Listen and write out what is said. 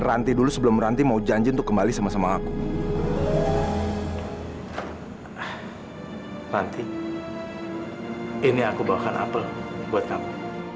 ranti dulu sebelum ranti mau janji untuk kembali sama sama aku nanti ini aku bawakan apel buat kamu